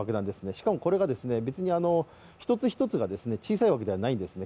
しかもこれが一つ一つ小さいわけではないんですね。